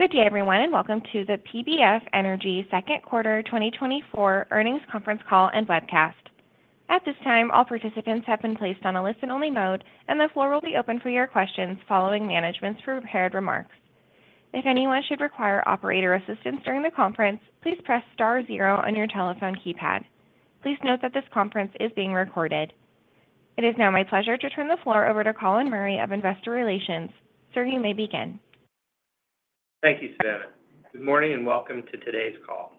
Good day, everyone, and welcome to the PBF Energy Second Quarter 2024 Earnings Conference Call and Webcast. At this time, all participants have been placed on a listen-only mode, and the floor will be open for your questions following management's prepared remarks. If anyone should require operator assistance during the conference, please press star zero on your telephone keypad. Please note that this conference is being recorded. It is now my pleasure to turn the floor over to Colin Murray of Investor Relations. Sir, you may begin. Thank you, Savannah. Good morning, and welcome to today's call.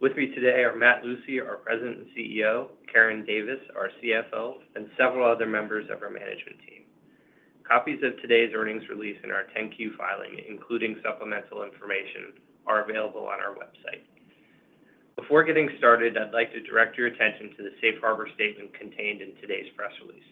With me today are Matt Lucey, our President and CEO, Karen Davis, our CFO, and several other members of our management team. Copies of today's earnings release and our 10-Q filing, including supplemental information, are available on our website. Before getting started, I'd like to direct your attention to the Safe Harbor statement contained in today's press release.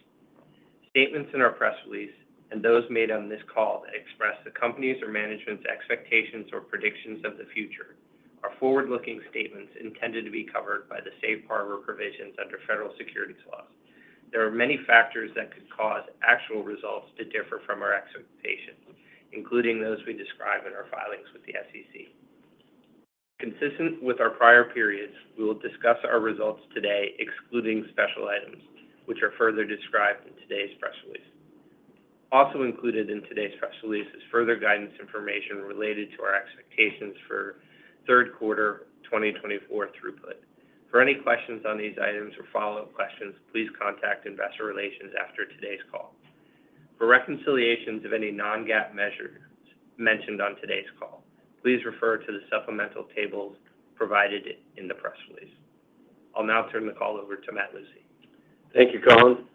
Statements in our press release and those made on this call that express the company's or management's expectations or predictions of the future are forward-looking statements intended to be covered by the Safe Harbor provisions under federal securities laws. There are many factors that could cause actual results to differ from our expectations, including those we describe in our filings with the SEC. Consistent with our prior periods, we will discuss our results today, excluding special items, which are further described in today's press release. Also included in today's press release is further guidance information related to our expectations for third quarter 2024 throughput. For any questions on these items or follow-up questions, please contact Investor Relations after today's call. For reconciliations of any non-GAAP measures mentioned on today's call, please refer to the supplemental tables provided in the press release. I'll now turn the call over to Matt Lucey. Thank you, Colin.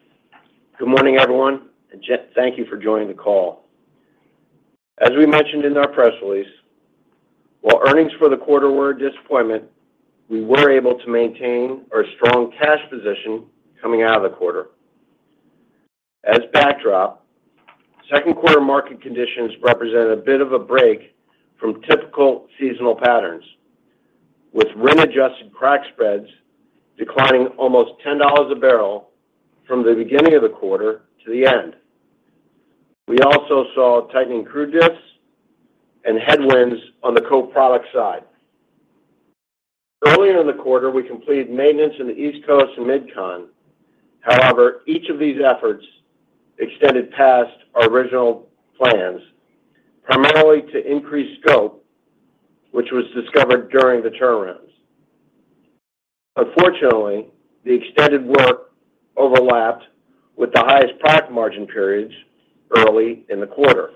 Good morning, everyone, and thank you for joining the call. As we mentioned in our press release, while earnings for the quarter were a disappointment, we were able to maintain our strong cash position coming out of the quarter. As backdrop, second quarter market conditions represented a bit of a break from typical seasonal patterns, with net-adjusted crack spreads declining almost $10 a barrel from the beginning of the quarter to the end. We also saw tightening crude diffs and headwinds on the co-product side. Earlier in the quarter, we completed maintenance in the East Coast and MidCon. However, each of these efforts extended past our original plans, primarily to increase scope, which was discovered during the turnarounds. Unfortunately, the extended work overlapped with the highest product margin periods early in the quarter.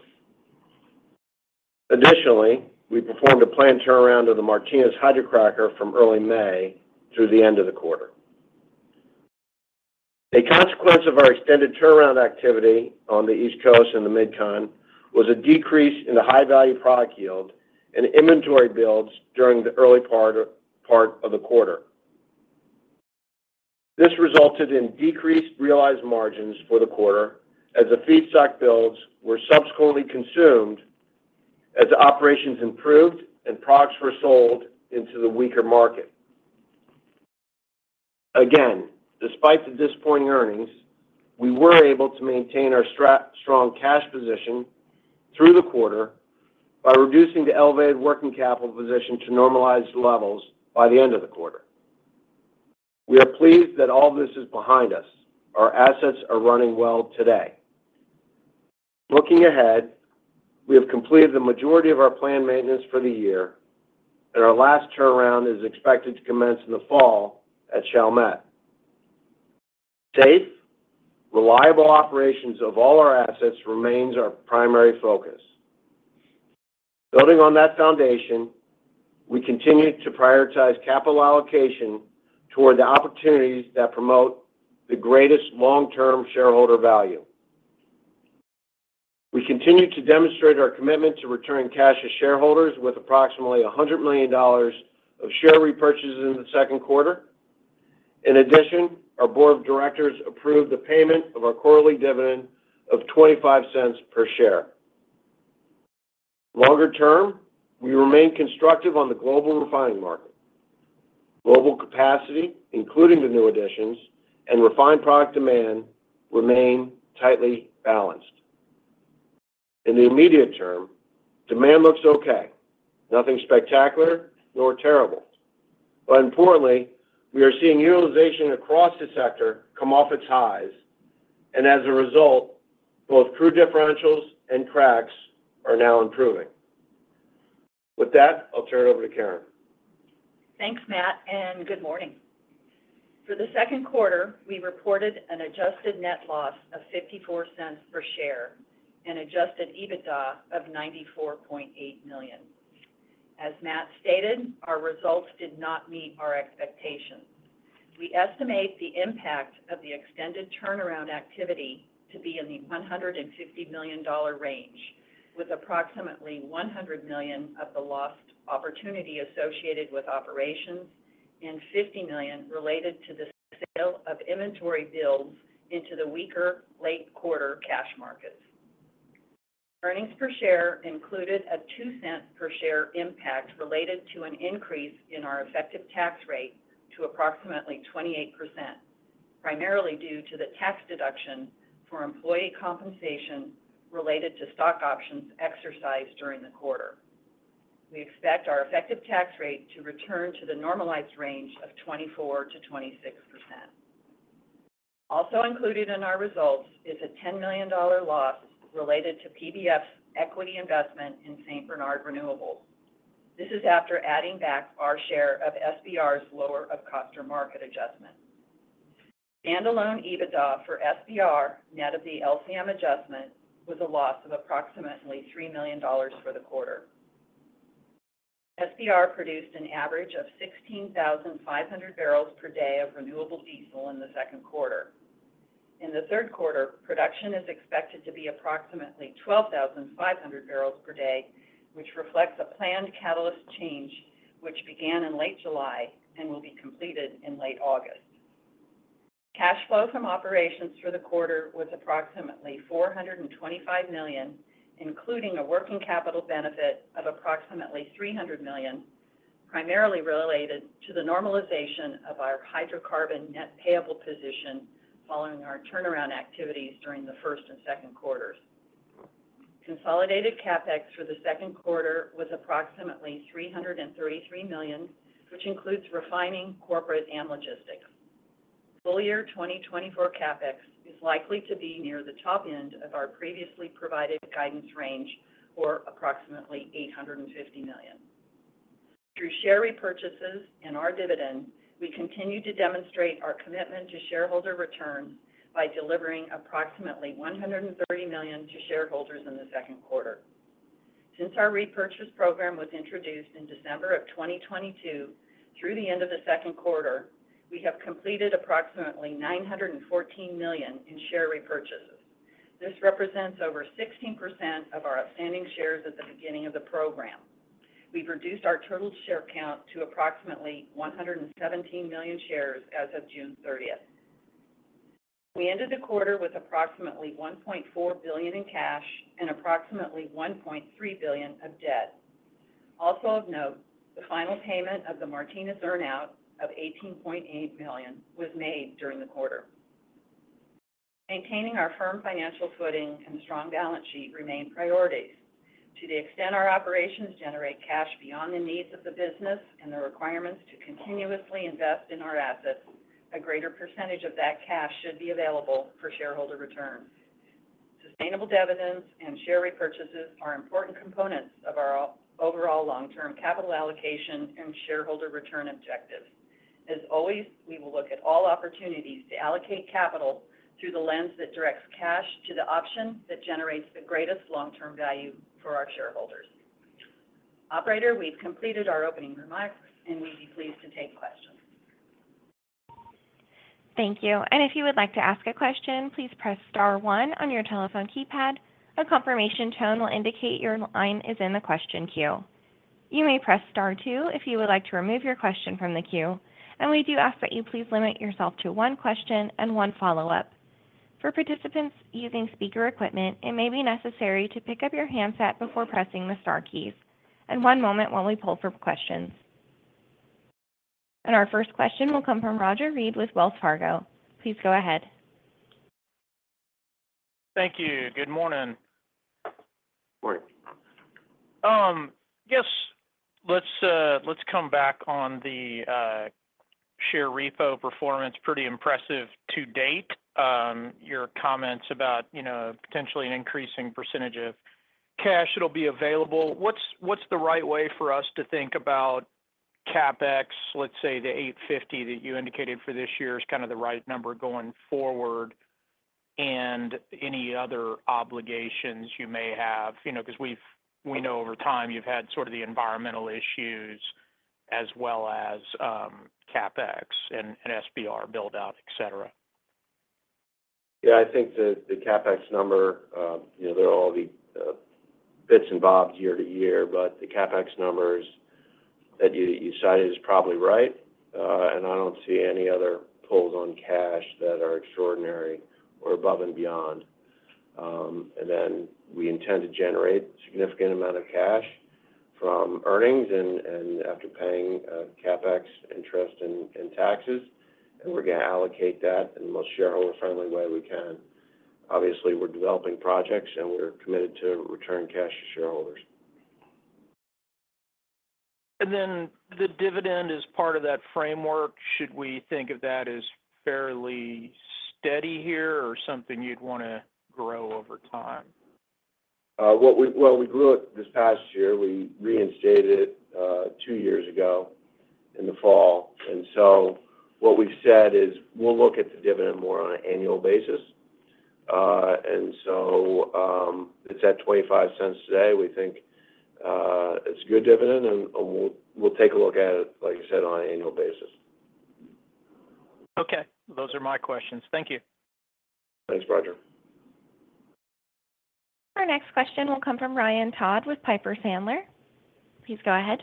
Additionally, we performed a planned turnaround of the Martinez hydrocracker from early May through the end of the quarter. A consequence of our extended turnaround activity on the East Coast and the MidCon was a decrease in the high-value product yield and inventory builds during the early part of the quarter. This resulted in decreased realized margins for the quarter as the feedstock builds were subsequently consumed as operations improved and products were sold into the weaker market. Again, despite the disappointing earnings, we were able to maintain our strong cash position through the quarter by reducing the elevated working capital position to normalized levels by the end of the quarter. We are pleased that all this is behind us. Our assets are running well today. Looking ahead, we have completed the majority of our planned maintenance for the year, and our last turnaround is expected to commence in the fall at Chalmette. Safe, reliable operations of all our assets remains our primary focus. Building on that foundation, we continue to prioritize capital allocation toward the opportunities that promote the greatest long-term shareholder value. We continue to demonstrate our commitment to returning cash to shareholders with approximately $100 million of share repurchases in the second quarter. In addition, our board of directors approved the payment of our quarterly dividend of 25 cents per share. Longer term, we remain constructive on the global refining market. Global capacity, including the new additions and refined product demand, remain tightly balanced. In the immediate term, demand looks okay, nothing spectacular nor terrible. But importantly, we are seeing utilization across the sector come off its highs, and as a result, both crude differentials and cracks are now improving. With that, I'll turn it over to Karen. Thanks, Matt, and good morning. For the second quarter, we reported an Adjusted net loss of $0.54 per share and Adjusted EBITDA of $94.8 million. As Matt stated, our results did not meet our expectations. We estimate the impact of the extended turnaround activity to be in the $150 million range, with approximately $100 million of the lost opportunity associated with operations and $50 million related to the sale of inventory builds into the weaker late-quarter cash markets. Earnings per share included a $0.02 per share impact related to an increase in our effective tax rate to approximately 28%... primarily due to the tax deduction for employee compensation related to stock options exercised during the quarter. We expect our effective tax rate to return to the normalized range of 24%-26%. Also included in our results is a $10 million loss related to PBF's equity investment in St. Bernard Renewables. This is after adding back our share of SBR's lower of cost or market adjustment. Standalone EBITDA for SBR, net of the LCM adjustment, was a loss of approximately $3 million for the quarter. SBR produced an average of 16,500 barrels per day of renewable diesel in the second quarter. In the third quarter, production is expected to be approximately 12,500 barrels per day, which reflects a planned catalyst change, which began in late July and will be completed in late August. Cash flow from operations for the quarter was approximately $425 million, including a working capital benefit of approximately $300 million, primarily related to the normalization of our Hydrocarbon net payable position following our turnaround activities during the first and second quarters. Consolidated CapEx for the second quarter was approximately $333 million, which includes refining, corporate, and logistics. Full year 2024 CapEx is likely to be near the top end of our previously provided guidance range, or approximately $850 million. Through share repurchases and our dividend, we continue to demonstrate our commitment to shareholder returns by delivering approximately $130 million to shareholders in the second quarter. Since our repurchase program was introduced in December of 2022, through the end of the second quarter, we have completed approximately $914 million in share repurchases. This represents over 16% of our outstanding shares at the beginning of the program. We've reduced our total share count to approximately 117 million shares as of June 30th. We ended the quarter with approximately $1.4 billion in cash and approximately $1.3 billion of debt. Also of note, the final payment of the Martinez earn-out of $18.8 million was made during the quarter. Maintaining our firm financial footing and strong balance sheet remain priorities. To the extent our operations generate cash beyond the needs of the business and the requirements to continuously invest in our assets, a greater percentage of that cash should be available for shareholder returns. Sustainable dividends and share repurchases are important components of our overall long-term capital allocation and shareholder return objectives. As always, we will look at all opportunities to allocate capital through the lens that directs cash to the option that generates the greatest long-term value for our shareholders. Operator, we've completed our opening remarks, and we'd be pleased to take questions. Thank you. And if you would like to ask a question, please press star one on your telephone keypad. A confirmation tone will indicate your line is in the question queue. You may press star two if you would like to remove your question from the queue, and we do ask that you please limit yourself to one question and one follow-up. For participants using speaker equipment, it may be necessary to pick up your handset before pressing the star keys. And one moment while we pull for questions. And our first question will come from Roger Read with Wells Fargo. Please go ahead. Thank you. Good morning. Morning. Yes, let's come back on the share repo performance. Pretty impressive to date. Your comments about, you know, potentially an increasing percentage of cash that'll be available. What's the right way for us to think about CapEx? Let's say the $850 that you indicated for this year is kind of the right number going forward, and any other obligations you may have. You know, because we know over time you've had sort of the environmental issues as well as CapEx and SBR build-out, etc,. Yeah, I think the CapEx number, you know, there are all the bits and bobs year to year, but the CapEx numbers that you cited is probably right. And I don't see any other pulls on cash that are extraordinary or above and beyond. And then we intend to generate significant amount of cash from earnings and, after paying, CapEx interest and taxes, and we're gonna allocate that in the most shareholder-friendly way we can. Obviously, we're developing projects, and we're committed to return cash to shareholders. And then the dividend is part of that framework. Should we think of that as fairly steady here or something you'd wanna grow over time? Well, we grew it this past year. We reinstated it two years ago in the fall, and so what we've said is we'll look at the dividend more on an annual basis. And so, it's at $0.25 today. We think it's a good dividend, and, and we'll, we'll take a look at it, like you said, on an annual basis. Okay. Those are my questions. Thank you. Thanks, Roger. Our next question will come from Ryan Todd with Piper Sandler. Please go ahead.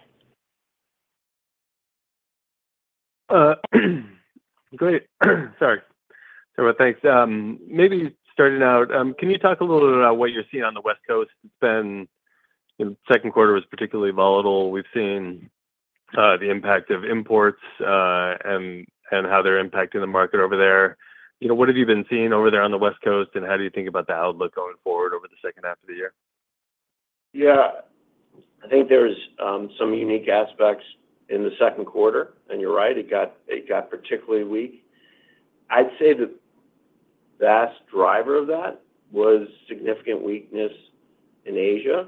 Great. Sorry. So, thanks. Maybe starting out, can you talk a little bit about what you're seeing on the West Coast? It's been... the second quarter was particularly volatile. We've seen-... the impact of imports, and how they're impacting the market over there. You know, what have you been seeing over there on the West Coast, and how do you think about the outlook going forward over the second half of the year? Yeah. I think there's some unique aspects in the second quarter, and you're right, it got particularly weak. I'd say the vast driver of that was significant weakness in Asia.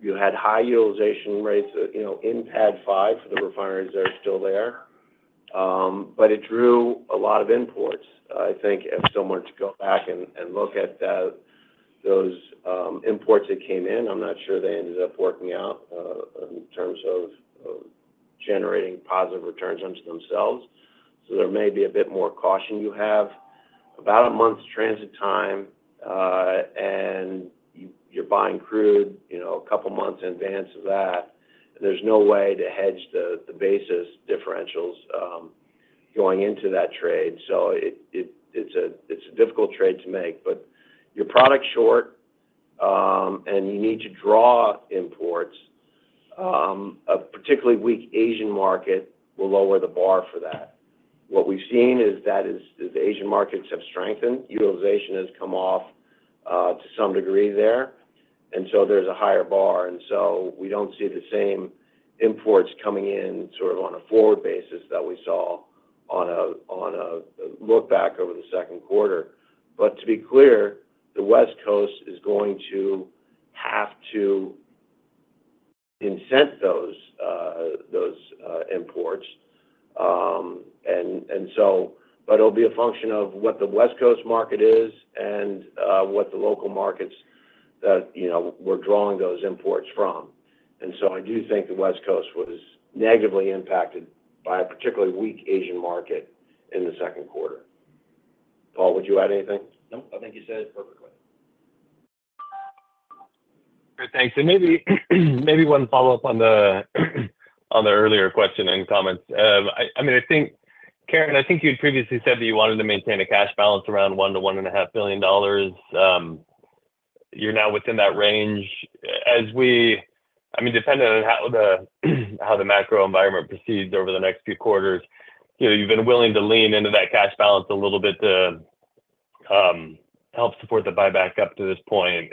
You had high utilization rates, you know, in PADD 5 for the refineries that are still there. But it drew a lot of imports, I think. And so much to go back and look at those imports that came in, I'm not sure they ended up working out in terms of generating positive returns onto themselves. So there may be a bit more caution you have. About a month's transit time, and you're buying crude, you know, a couple of months in advance of that, there's no way to hedge the basis differentials going into that trade. It's a difficult trade to make, but you're product short, and you need to draw imports. A particularly weak Asian market will lower the bar for that. What we've seen is that the Asian markets have strengthened. Utilization has come off to some degree there, and so there's a higher bar. And so we don't see the same imports coming in sort of on a forward basis that we saw on a look back over the second quarter. But to be clear, the West Coast is going to have to incent those imports. But it'll be a function of what the West Coast market is and what the local markets that, you know, we're drawing those imports from. And so I do think the West Coast was negatively impacted by a particularly weak Asian market in the second quarter. Paul, would you add anything? No, I think you said it perfectly. Great, thanks. And maybe one follow-up on the earlier question and comments. I mean, I think, Karen, I think you'd previously said that you wanted to maintain a cash balance around $1 billion. You're now within that range. I mean, depending on how the macro environment proceeds over the next few quarters, you know, you've been willing to lean into that cash balance a little bit to help support the buyback up to this point.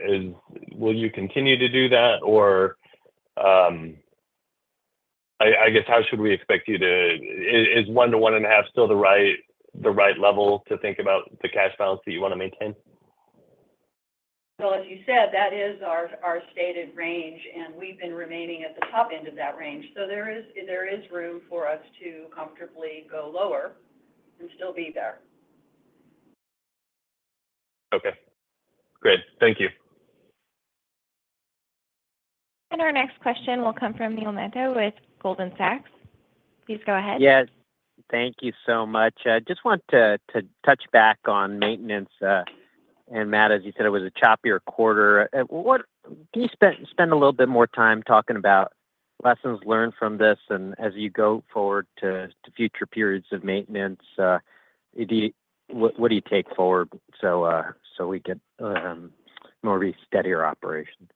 Will you continue to do that? Or, I guess, how should we expect you to... Is $1 billion-$1.5 billion still the right level to think about the cash balance that you want to maintain? Well, as you said, that is our stated range, and we've been remaining at the top end of that range. So there is room for us to comfortably go lower and still be there. Okay. Great. Thank you. Our next question will come from Neil Mehta with Goldman Sachs. Please go ahead. Yes. Thank you so much. I just want to touch back on maintenance. And Matt, as you said, it was a choppier quarter. Can you spend a little bit more time talking about lessons learned from this and as you go forward to future periods of maintenance, what do you take forward so we get more steadier operations?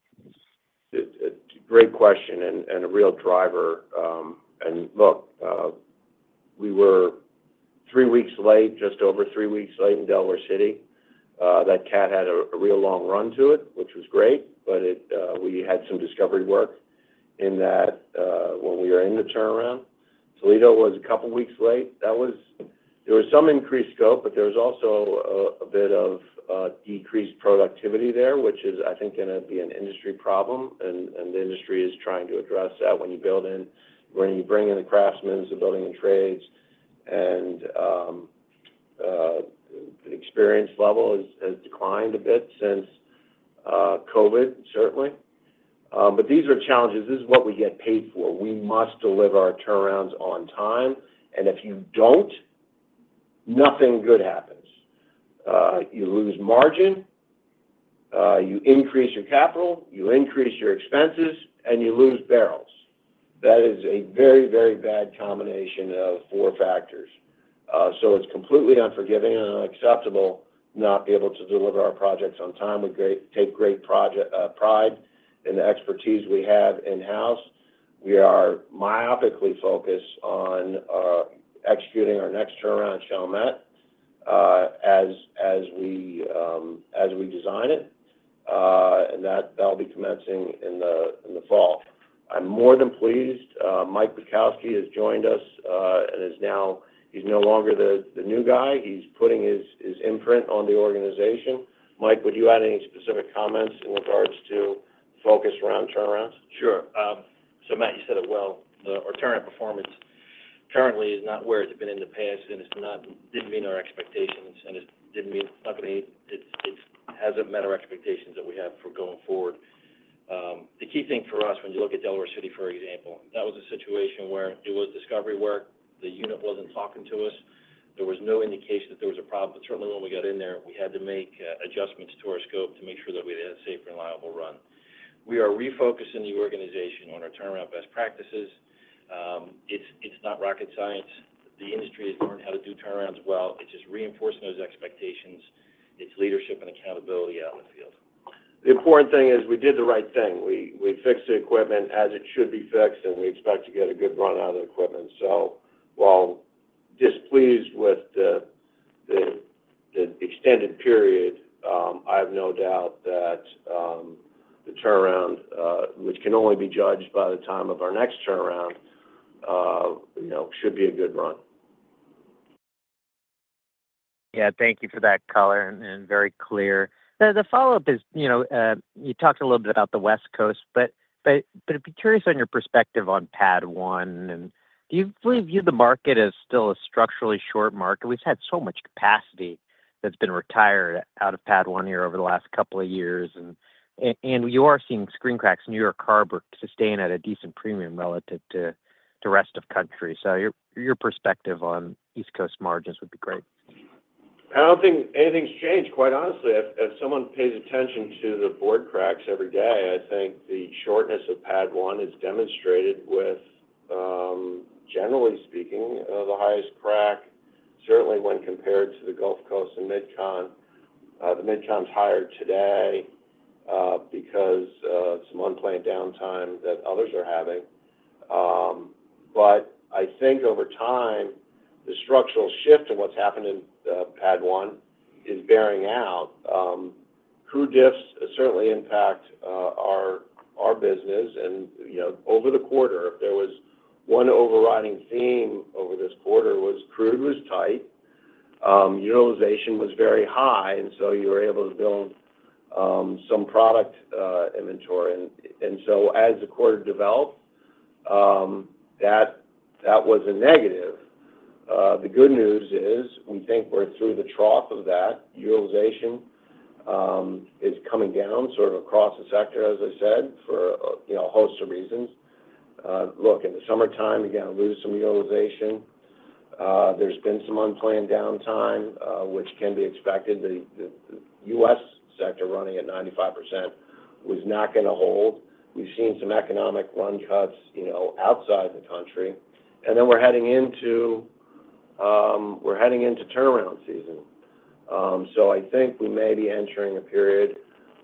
It's a great question and a real driver. Look, we were three weeks late, just over three weeks late in Delaware City. That cat had a real long run to it, which was great, but we had some discovery work in that when we were in the turnaround. Toledo was a couple weeks late. That was. There was some increased scope, but there was also a bit of decreased productivity there, which is, I think, gonna be an industry problem, and the industry is trying to address that when you bring in the craftsmen, so building and trades, and experience level has declined a bit since COVID, certainly. But these are challenges. This is what we get paid for. We must deliver our turnarounds on time, and if you don't, nothing good happens. You lose margin, you increase your capital, you increase your expenses, and you lose barrels. That is a very, very bad combination of four factors. So it's completely unforgiving and unacceptable, not able to deliver our projects on time. We take great pride in the expertise we have in-house. We are myopically focused on executing our next turnaround, Chalmette, as we design it, and that'll be commencing in the fall. I'm more than pleased Mike Bukowski has joined us, and now—he's no longer the new guy. He's putting his imprint on the organization. Mike, would you add any specific comments in regards to focus around turnarounds? Sure. So Matt, you said it well. Our turnaround performance currently is not where it's been in the past, and it's not—didn't meet our expectations, and it didn't meet, not gonna meet—It, it's hasn't met our expectations that we have for going forward. The key thing for us when you look at Delaware City, for example, that was a situation where there was discovery work. The unit wasn't talking to us. There was no indication that there was a problem, but certainly when we got in there, we had to make adjustments to our scope to make sure that we had a safe and reliable run. We are refocusing the organization on our turnaround best practices. It's not rocket science. The industry has learned how to do turnarounds well. It's just reinforcing those expectations. It's leadership and accountability out in the field. The important thing is we did the right thing. We fixed the equipment as it should be fixed, and we expect to get a good run out of the equipment. So while displeased with the extended period, I have no doubt that the turnaround, which can only be judged by the time of our next turnaround, you know, should be a good run. Yeah, thank you for that color, and very clear. Now, the follow-up is, you know, you talked a little bit about the West Coast, but I'd be curious on your perspective on PADD 1, and do you really view the market as still a structurally short market? We've had so much capacity that's been retired out of PADD 1 here over the last couple of years. And you are seeing screen cracks in New York Harbor sustain at a decent premium relative to the rest of the country. So your perspective on East Coast margins would be great. I don't think anything's changed, quite honestly. If, if someone pays attention to the board cracks every day, I think the shortness of PADD 1 is demonstrated with, generally speaking, the highest crack, certainly when compared to the Gulf Coast and MidCon. The MidCon's higher today, because of some unplanned downtime that others are having. But I think over time, the structural shift in what's happened in PADD 1 is bearing out. Crude diffs certainly impact our business. And, you know, over the quarter, if there was one overriding theme over this quarter was crude was tight, utilization was very high, and so you were able to build some product inventory. And so as the quarter developed, that was a negative. The good news is, we think we're through the trough of that. Utilization is coming down sort of across the sector, as I said, for, you know, a host of reasons. Look, in the summertime, you're gonna lose some utilization. There's been some unplanned downtime, which can be expected. The US sector running at 95% was not gonna hold. We've seen some economic run cuts, you know, outside the country, and then we're heading into-- we're heading into turnaround season. So I think we may be entering a period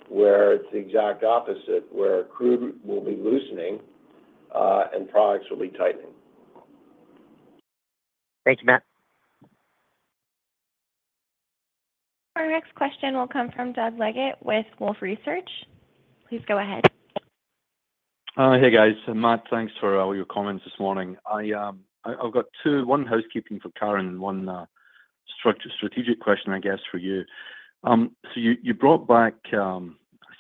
where it's the exact opposite, where crude will be loosening, and products will be tightening. Thank you, Matt. Our next question will come from Doug Leggate with Wolfe Research. Please go ahead. Hey, guys. Matt, thanks for all your comments this morning. I've got two, one housekeeping for Karen and one strategic question, I guess, for you. So you brought back, I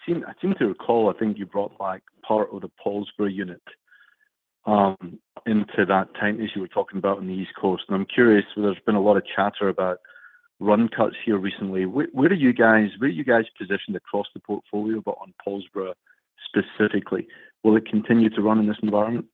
seem to recall, I think you brought back part of the Paulsboro unit into that tight issue we're talking about on the East Coast. And I'm curious, there's been a lot of chatter about run cuts here recently. Where are you guys positioned across the portfolio, but on Paulsboro specifically? Will it continue to run in this environment?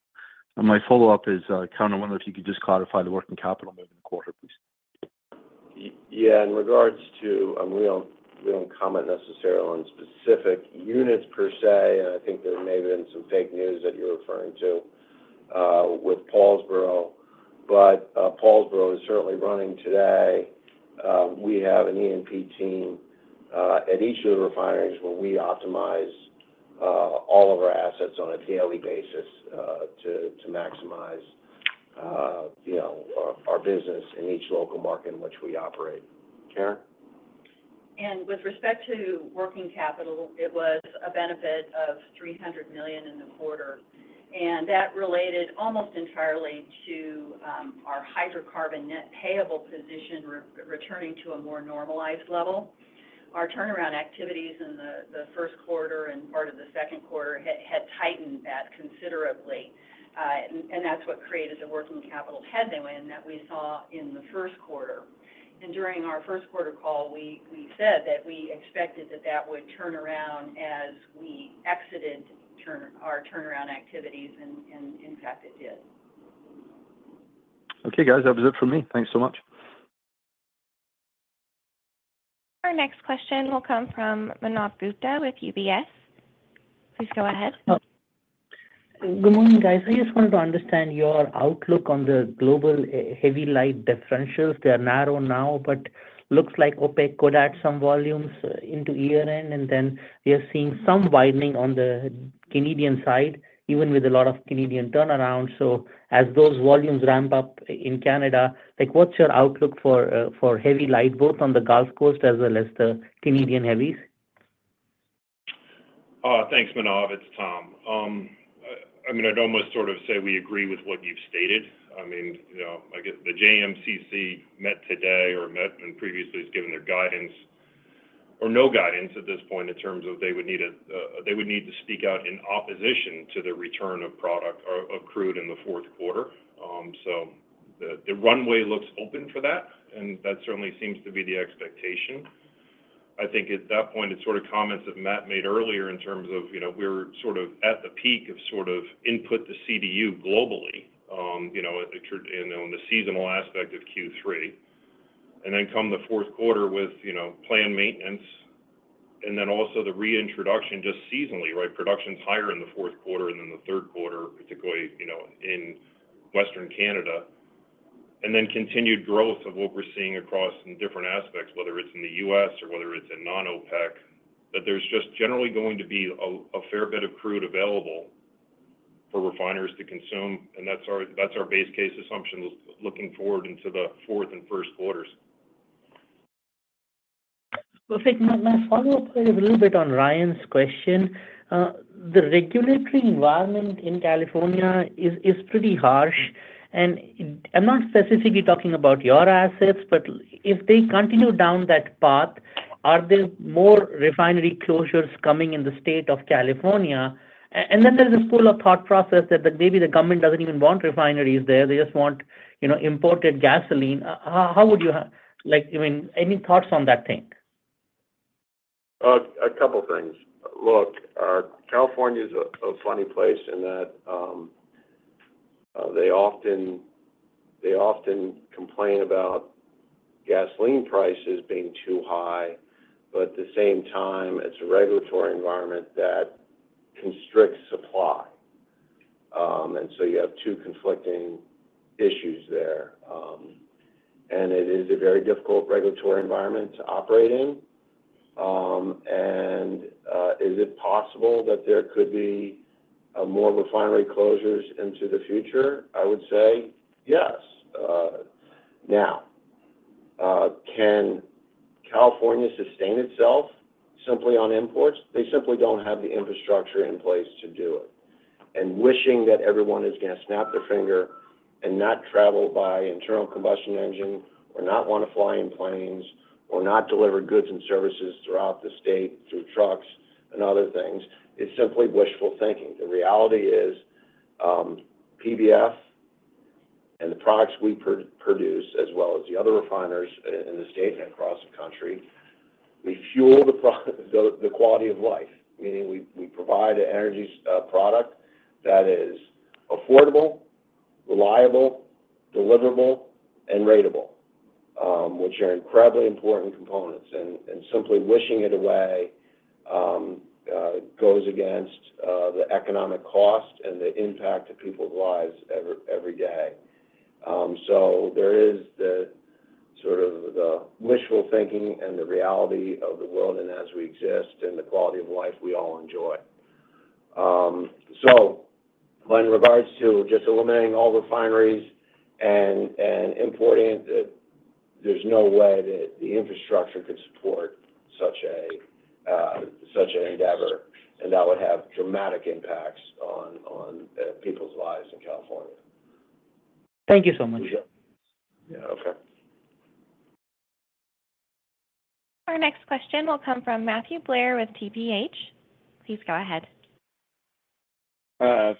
And my follow-up is, Karen, I wonder if you could just clarify the working capital move in the quarter, please. Yeah. In regards to, we don't, we don't comment necessarily on specific units per se, and I think there may have been some fake news that you're referring to with Paulsboro, but Paulsboro is certainly running today. We have an E&P team at each of the refineries where we optimize all of our assets on a daily basis to maximize, you know, our business in each local market in which we operate. Karen? With respect to working capital, it was a benefit of $300 million in the quarter, and that related almost entirely to our hydrocarbon net payable position returning to a more normalized level. Our turnaround activities in the first quarter and part of the second quarter had tightened that considerably, and that's what created the working capital headwind that we saw in the first quarter. During our first quarter call, we said that we expected that would turn around as we exited our turnaround activities, and in fact, it did. Okay, guys. That was it for me. Thanks so much. Our next question will come from Manav Gupta with UBS. Please go ahead. Good morning, guys. I just wanted to understand your outlook on the global heavy light differentials. They are narrow now, but looks like OPEC could add some volumes into year-end, and then we are seeing some widening on the Canadian side, even with a lot of Canadian turnarounds. So as those volumes ramp up in Canada, like, what's your outlook for heavy light, both on the Gulf Coast as well as the Canadian heavies? Thanks, Manav. It's Tom. I mean, I'd almost sort of say we agree with what you've stated. I mean, you know, I guess the JMCC met today or met and previously has given their guidance or no guidance at this point in terms of they would need to speak out in opposition to the return of product or, of crude in the fourth quarter. So the runway looks open for that, and that certainly seems to be the expectation. I think at that point, it's sort of comments that Matt made earlier in terms of, you know, we're sort of at the peak of sort of input to CDU globally, you know, at the tr-- and on the seasonal aspect of Q3. And then come the fourth quarter with, you know, planned maintenance-... And then also the reintroduction just seasonally, right? Production's higher in the fourth quarter, and then the third quarter, particularly, you know, in Western Canada. And then continued growth of what we're seeing across in different aspects, whether it's in the U.S. or whether it's in non-OPEC, that there's just generally going to be a, a fair bit of crude available for refiners to consume, and that's our, that's our base case assumption looking forward into the fourth and first quarters. Perfect. My follow-up a little bit on Ryan's question. The regulatory environment in California is pretty harsh, and I'm not specifically talking about your assets, but if they continue down that path, are there more refinery closures coming in the state of California? And then there's a school of thought process that maybe the government doesn't even want refineries there. They just want, you know, imported gasoline. How would you—like, I mean, any thoughts on that thing? A couple things. Look, California's a funny place in that, they often complain about gasoline prices being too high, but at the same time, it's a regulatory environment that constricts supply. And so you have two conflicting issues there. And it is a very difficult regulatory environment to operate in. And, is it possible that there could be, more refinery closures into the future? I would say yes. Now, can California sustain itself simply on imports? They simply don't have the infrastructure in place to do it. And wishing that everyone is gonna snap their finger and not travel by internal combustion engine or not want to fly in planes or not deliver goods and services throughout the state, through trucks and other things, is simply wishful thinking. The reality is, PBF and the products we produce, as well as the other refiners in the state and across the country, we fuel the quality of life, meaning we provide an energy product that is affordable, reliable, deliverable, and ratable, which are incredibly important components. And simply wishing it away goes against the economic cost and the impact of people's lives every day. So there is the sort of wishful thinking and the reality of the world, and as we exist, and the quality of life we all enjoy. So in regards to just eliminating all refineries and importing, there's no way that the infrastructure could support such an endeavor, and that would have dramatic impacts on people's lives in California. Thank you so much. Yeah. Okay. Our next question will come from Matthew Blair with TPH. Please go ahead.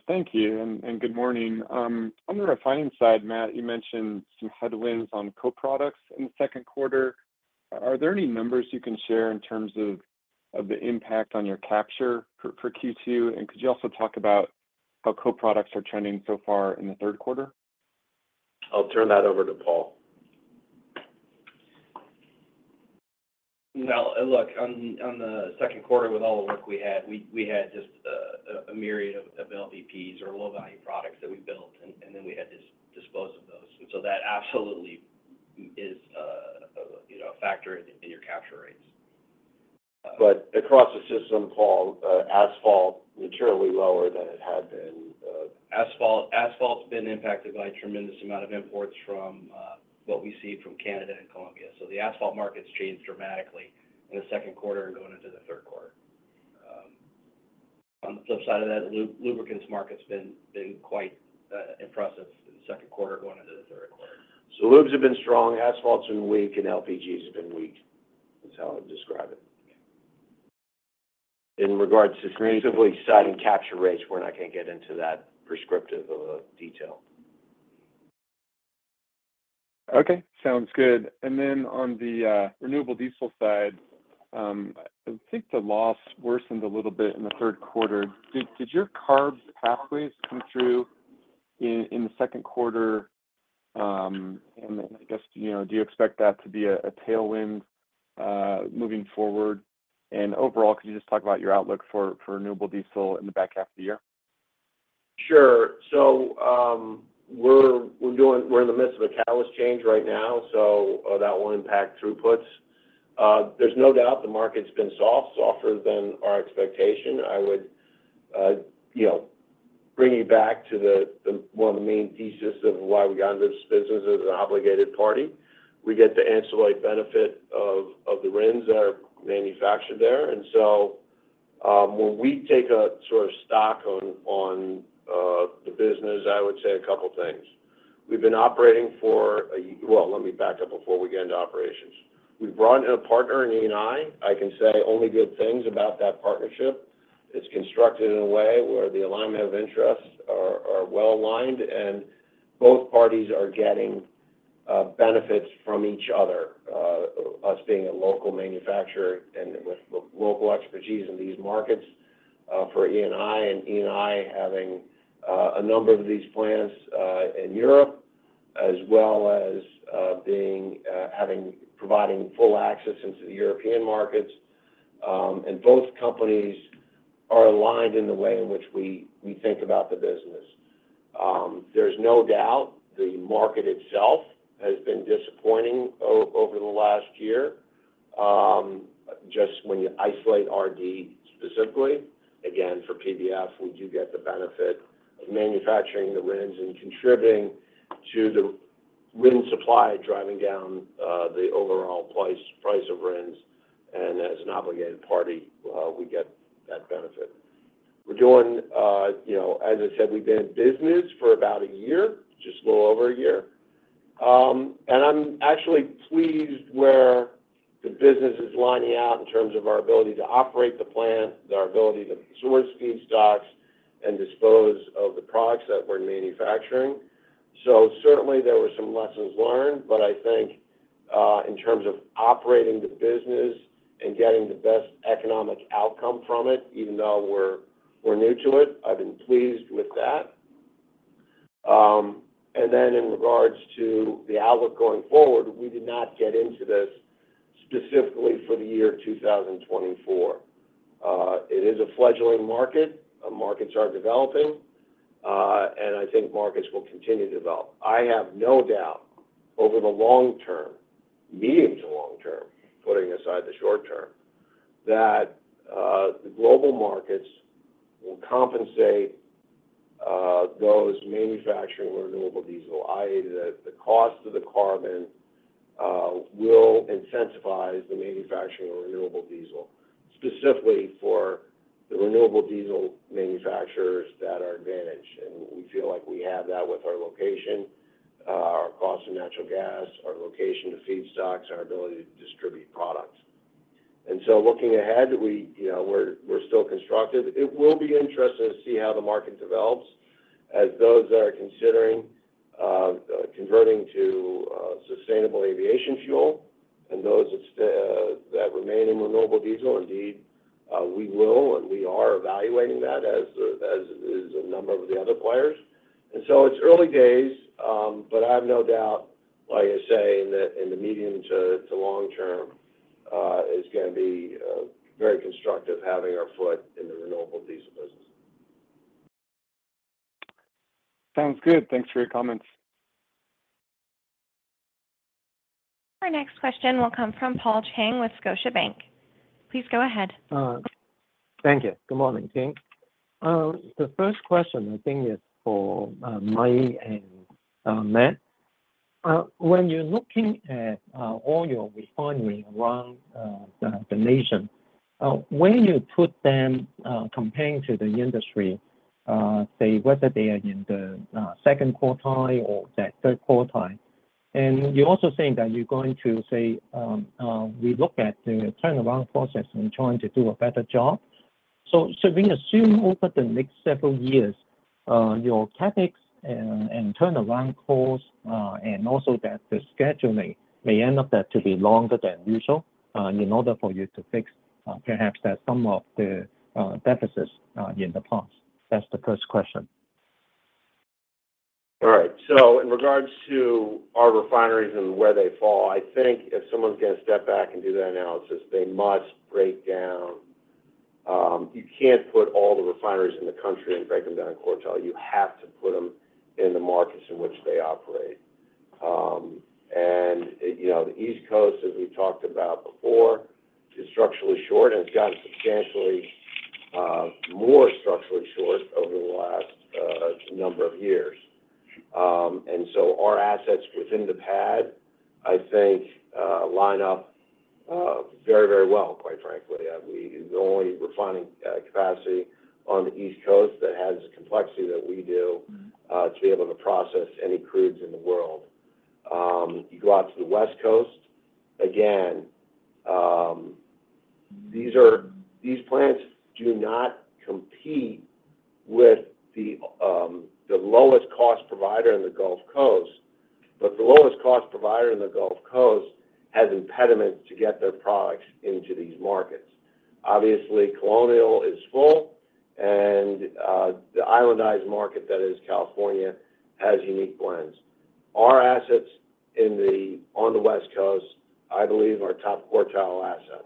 Thank you, and good morning. On the refining side, Matt, you mentioned some headwinds on co-products in the second quarter. Are there any numbers you can share in terms of the impact on your capture for Q2? And could you also talk about how co-products are trending so far in the third quarter? I'll turn that over to Paul. Well, look, on the second quarter, with all the work we had, we had just a myriad of LVPs or low value products that we built, and then we had to dispose of those. So that absolutely is, you know, a factor in your capture rates. But across the system, Paul, asphalt, materially lower than it had been, Asphalt, asphalt's been impacted by a tremendous amount of imports from what we see from Canada and Colombia. So the asphalt market's changed dramatically in the second quarter and going into the third quarter. On the flip side of that, Lubricants market's been quite impressive in the second quarter going into the third quarter. So lubes have been strong, asphalt's been weak, and LPGs have been weak. That's how I'd describe it. Yeah. In regards to specifically citing capture rates, we're not going to get into that prescriptive of detail. Okay. Sounds good. And then on the renewable diesel side, I think the loss worsened a little bit in the third quarter. Did your CARB pathways come through in the second quarter? And then I guess, you know, do you expect that to be a tailwind moving forward? And overall, can you just talk about your outlook for renewable diesel in the back half of the year? Sure. So, we're doing—we're in the midst of a catalyst change right now, so that will impact throughputs. There's no doubt the market's been soft, softer than our expectation. I would, you know, bring you back to the one of the main thesis of why we got into this business as an obligated party. We get the ancillary benefit of the RINs that are manufactured there. And so, when we take a sort of stock on the business, I would say a couple things. We've been operating for a... Well, let me back up before we get into operations. We brought in a partner in Eni. I can say only good things about that partnership. It's constructed in a way where the alignment of interests are well-aligned, and both parties are getting benefits from each other, us being a local manufacturer and with local expertise in these markets for Eni, and Eni having a number of these plants in Europe as well as being having providing full access into the European markets. And both companies are aligned in the way in which we think about the business. There's no doubt the market itself has been disappointing over the last year. Just when you isolate RD specifically, again, for PBF, we do get the benefit of manufacturing the RINs and contributing to the RIN supply, driving down the overall price of RINs, and as an obligated party, we get that benefit. We're doing, you know, as I said, we've been in business for about a year, just a little over a year. I'm actually pleased where the business is lining out in terms of our ability to operate the plant, our ability to source feedstocks, and dispose of the products that we're manufacturing. So certainly, there were some lessons learned, but I think, in terms of operating the business and getting the best economic outcome from it, even though we're, we're new to it, I've been pleased with that. And then in regards to the outlook going forward, we did not get into this specifically for the year 2024. It is a fledgling market. Markets are developing, and I think markets will continue to develop. I have no doubt over the long term, medium to long term, putting aside the short term, that the global markets will compensate those manufacturing renewable diesel, i.e., the cost of the carbon will incentivize the manufacturing of renewable diesel, specifically for the renewable diesel manufacturers that are advantaged. And we feel like we have that with our location, our cost of natural gas, our location to feedstocks, our ability to distribute products. And so looking ahead, we, you know, we're still constructive. It will be interesting to see how the market develops, as those that are considering converting to sustainable aviation fuel and those that remain in renewable diesel. Indeed, we will and we are evaluating that as is a number of the other players. And so it's early days, but I have no doubt, like I say, in the medium to long term, it's gonna be very constructive having our foot in the renewable diesel business. Sounds good. Thanks for your comments. Our next question will come from Paul Cheng with Scotiabank. Please go ahead. Thank you. Good morning, team. The first question I think is for Mike and Matt. When you're looking at all your refineries around the nation, where you put them comparing to the industry, say whether they are in the second quartile or the third quartile, and you're also saying that you're going to say we look at the turnaround process and trying to do a better job. We assume over the next several years your CapEx and turnaround costs and also that the scheduling may end up that to be longer than usual in order for you to fix perhaps that some of the deficits in the past. That's the first question. All right. So in regards to our refineries and where they fall, I think if someone's gonna step back and do that analysis, they must break down. You can't put all the refineries in the country and break them down in quartile. You have to put them in the markets in which they operate. And, you know, the East Coast, as we talked about before, is structurally short and it's gotten substantially more structurally short over the last number of years. And so our assets within the pad, I think, line up very, very well, quite frankly. We—the only refining capacity on the East Coast that has the complexity that we do- Mm-hmm. to be able to process any crudes in the world. You go out to the West Coast, again, these plants do not compete with the lowest cost provider in the Gulf Coast, but the lowest cost provider in the Gulf Coast has impediments to get their products into these markets. Obviously, Colonial is full, and the islandized market, that is California, has unique blends. Our assets on the West Coast, I believe, are top quartile assets.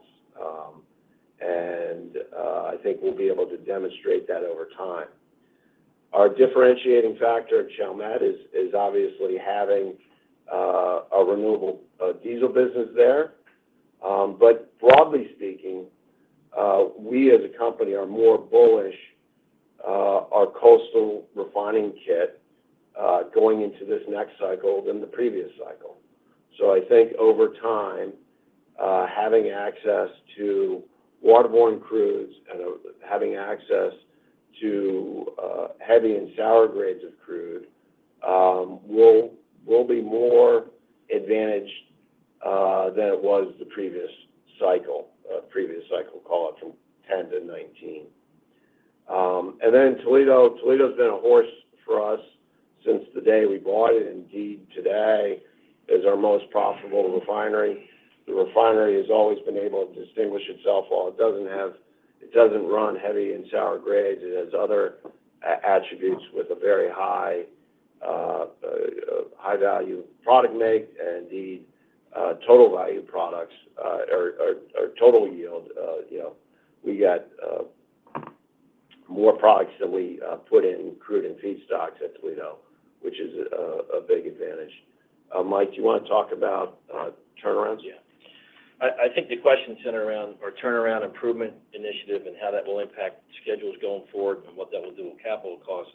And I think we'll be able to demonstrate that over time. Our differentiating factor at Chalmette is obviously having a renewable diesel business there. But broadly speaking, we as a company are more bullish, our coastal refining kit, going into this next cycle than the previous cycle. So I think over time, having access to waterborne crudes and having access to heavy and sour grades of crude, will be more advantaged than it was the previous cycle, previous cycle, call it from 2010 to 2019. And then Toledo. Toledo's been a horse for us since the day we bought it, and indeed, today is our most profitable refinery. The refinery has always been able to distinguish itself. While it doesn't have it doesn't run heavy and sour grades, it has other attributes with a very high high-value product make and the total value products, or total yield. You know, we got more products than we put in crude and feedstocks at Toledo, which is a big advantage. Mike, do you want to talk about turnarounds? Yeah. I, I think the question centered around our turnaround improvement initiative and how that will impact schedules going forward and what that will do in capital costs.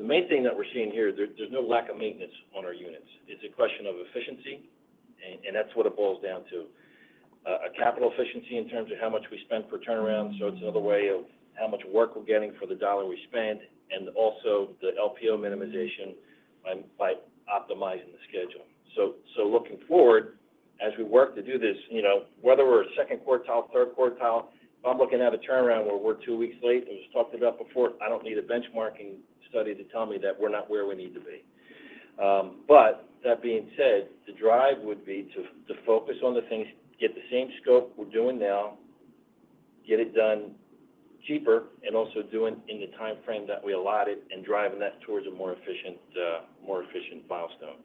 The main thing that we're seeing here, there, there's no lack of maintenance on our units. It's a question of efficiency, and, and that's what it boils down to. A capital efficiency in terms of how much we spend per turnaround. So it's another way of how much work we're getting for the dollar we spend, and also the LPO minimization by, by optimizing the schedule. So, so looking forward, as we work to do this, you know, whether we're a second quartile, third quartile, if I'm looking at a turnaround where we're two weeks late, as we talked about before, I don't need a benchmarking study to tell me that we're not where we need to be. But that being said, the drive would be to focus on the things, get the same scope we're doing now, get it done cheaper, and also doing in the time frame that we allotted and driving that towards a more efficient milestone.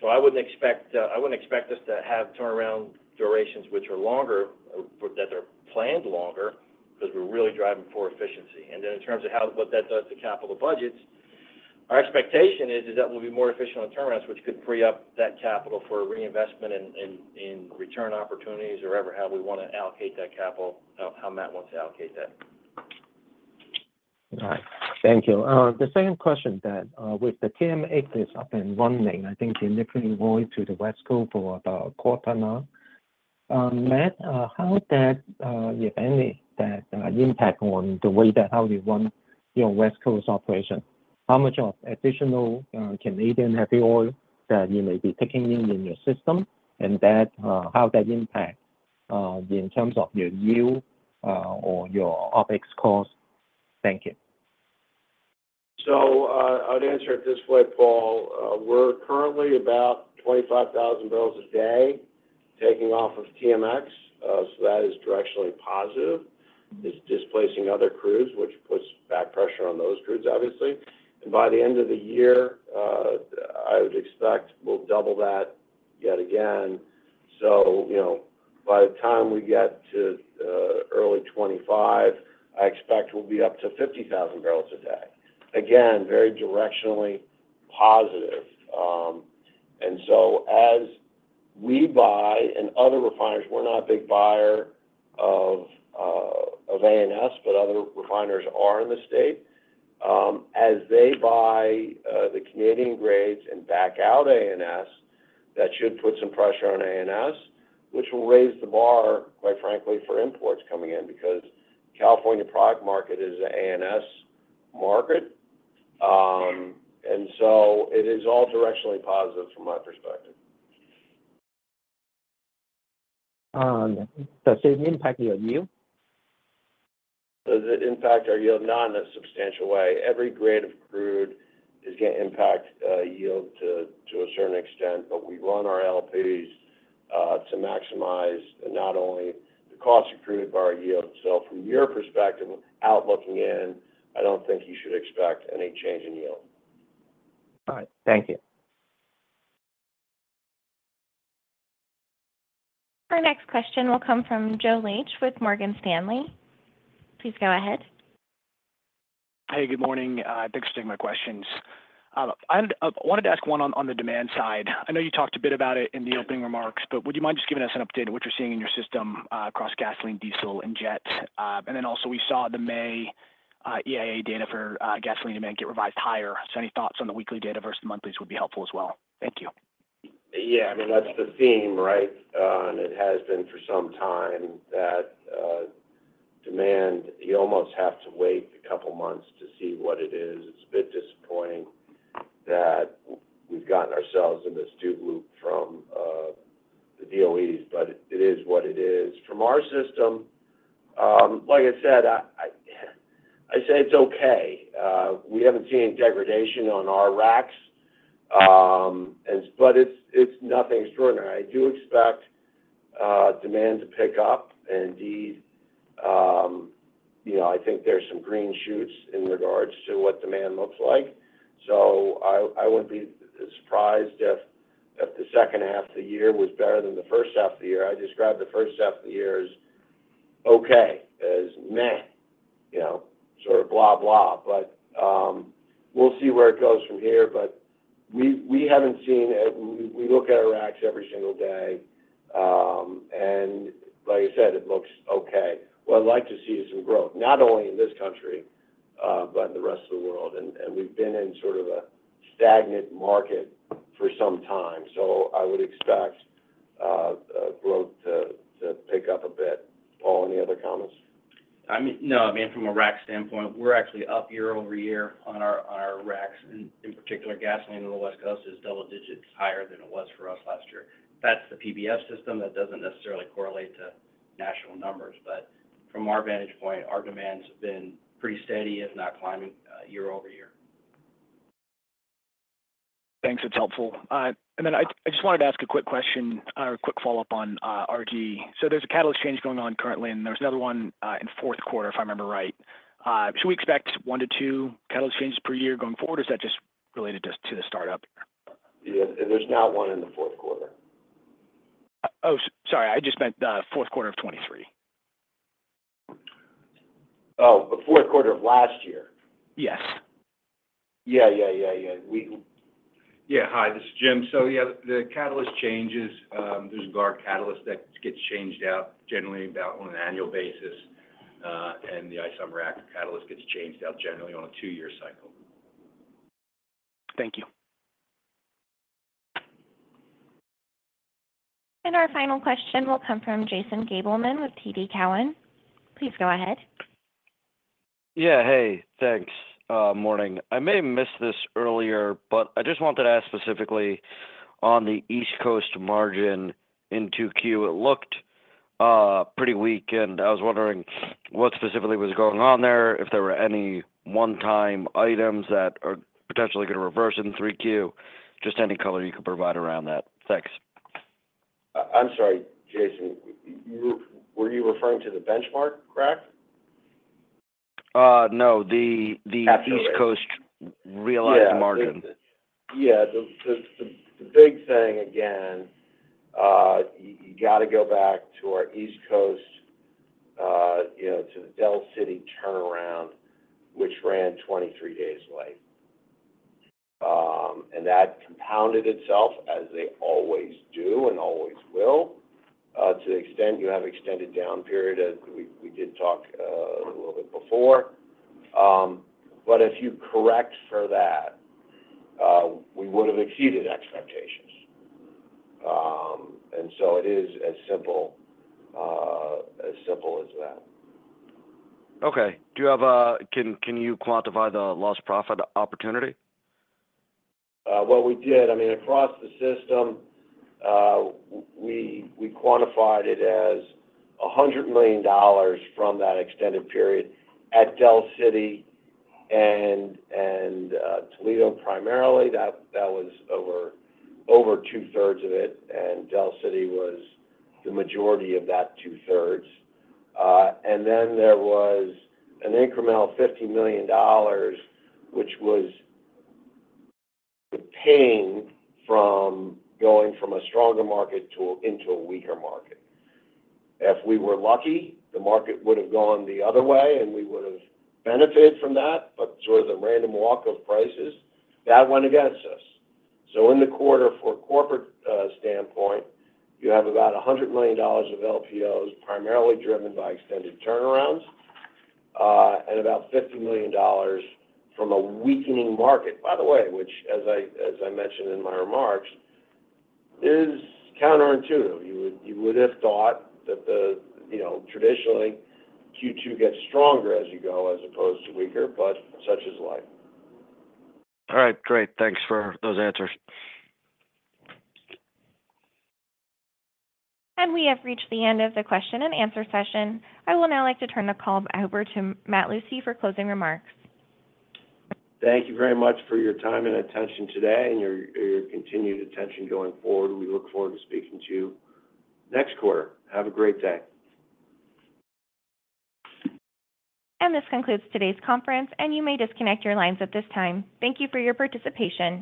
So I wouldn't expect us to have turnaround durations which are longer, or that are planned longer, because we're really driving for efficiency. And then in terms of what that does to capital budgets, our expectation is that we'll be more efficient on turnarounds, which could free up that capital for reinvestment in return opportunities or however how we want to allocate that capital, how Matt wants to allocate that. All right. Thank you. The second question that, with the TMX is up and running, I think you're delivering oil to the West Coast for about a quarter now. Matt, how did that, if any, that impact on the way that, how you run your West Coast operation? How much of additional, Canadian heavy oil that you may be taking in, in your system, and that, how that impact, in terms of your yield, or your OpEx costs? Thank you. So, I'd answer it this way, Paul. We're currently about 25,000 barrels a day, taking off of TMX. So that is directionally positive. It's displacing other crudes, which puts back pressure on those crudes, obviously. And by the end of the year, I would expect we'll double that yet again. So, you know, by the time we get to early 2025, I expect we'll be up to 50,000 barrels a day. Again, very directionally positive. And so as we buy and other refiners, we're not a big buyer of of ANS, but other refiners are in the state. As they buy the Canadian grades and back out ANS, that should put some pressure on ANS, which will raise the bar, quite frankly, for imports coming in, because California product market is a ANS market. It is all directionally positive from my perspective. Does it impact your yield? Does it impact our yield? Not in a substantial way. Every grade of crude is gonna impact yield to a certain extent, but we run our LPs to maximize not only the cost of crude, but our yield. So from your perspective, outside looking in, I don't think you should expect any change in yield. All right. Thank you. Our next question will come from Joe Laetsch with Morgan Stanley. Please go ahead. Hey, good morning. Thanks for taking my questions. I wanted to ask one on the demand side. I know you talked a bit about it in the opening remarks, but would you mind just giving us an update on what you're seeing in your system across gasoline, diesel, and jet? And then also, we saw the May EIA data for gasoline demand get revised higher. So any thoughts on the weekly data versus monthlies would be helpful as well. Thank you. Yeah, I mean, that's the theme, right? And it has been for some time, that demand, you almost have to wait a couple of months to see what it is. It's a bit disappointing that we've gotten ourselves in this loop from the DOE's, but it is what it is. From our system, like I said, I'd say it's okay. We haven't seen any degradation on our racks, and but it's nothing extraordinary. I do expect demand to pick up, and indeed, you know, I think there's some green shoots in regards to what demand looks like. So I wouldn't be surprised if the second half of the year was better than the first half of the year. I described the first half of the year as okay, as meh, you know, sort of blah, blah. But we'll see where it goes from here, but we haven't seen it. We look at our racks every single day, and like I said, it looks okay. What I'd like to see is some growth, not only in this country, but in the rest of the world. And we've been in sort of a stagnant market for some time, so I would expect growth to pick up a bit. Paul, any other comments? I mean, no, I mean, from a rack standpoint, we're actually up year-over-year on our, on our racks. In, in particular, gasoline on the West Coast is double digits higher than it was for us last year. That's the PBF system. That doesn't necessarily correlate to national numbers, but-... from our vantage point, our demand's been pretty steady, if not climbing, year over year. Thanks. That's helpful. And then I just wanted to ask a quick question or a quick follow-up on RD. So there's a catalyst change going on currently, and there's another one in fourth quarter, if I remember right. Should we expect one to two catalyst changes per year going forward, or is that just related just to the startup? Yeah, there's not one in the fourth quarter. Oh, sorry, I just meant the fourth quarter of 2023. Oh, the fourth quarter of last year? Yes. Yeah, yeah, yeah, yeah. We- Yeah. Hi, this is Jim. So, yeah, the catalyst changes, there's a guard catalyst that gets changed out generally about on an annual basis, and the isomer rack catalyst gets changed out generally on a two-year cycle. Thank you. Our final question will come from Jason Gabelman with TD Cowen. Please go ahead. Yeah, hey. Thanks. Morning. I may have missed this earlier, but I just wanted to ask specifically on the East Coast margin in 2Q, it looked pretty weak, and I was wondering what specifically was going on there, if there were any one-time items that are potentially gonna reverse in 3Q. Just any color you could provide around that. Thanks. I'm sorry, Jason. Were you referring to the benchmark crack? No, the Absolutely... East Coast realized margin. Yeah. The big thing again, you got to go back to our East Coast, you know, to the Delaware City turnaround, which ran 23 days late. And that compounded itself, as they always do and always will. To the extent you have extended down period, as we did talk a little bit before. But if you correct for that, we would have exceeded expectations. And so it is as simple as simple as that. Okay. Can you quantify the lost profit opportunity? Well, we did. I mean, across the system, we quantified it as $100 million from that extended period at Delaware City and Toledo, primarily, that was over two-thirds of it, and Delaware City was the majority of that two-thirds. And then there was an incremental $50 million, which was paying from going from a stronger market to a weaker market. If we were lucky, the market would have gone the other way, and we would have benefited from that, but through the random walk of prices, that went against us. So in the quarter, for corporate standpoint, you have about $100 million of LPOs, primarily driven by extended turnarounds, and about $50 million from a weakening market. By the way, which, as I mentioned in my remarks, is counterintuitive. You would have thought that, you know, traditionally, Q2 gets stronger as you go, as opposed to weaker, but such is life. All right. Great. Thanks for those answers. We have reached the end of the question and answer session. I will now like to turn the call back over to Matt Lucey for closing remarks. Thank you very much for your time and attention today, and your, your continued attention going forward. We look forward to speaking to you next quarter. Have a great day. This concludes today's conference, and you may disconnect your lines at this time. Thank you for your participation.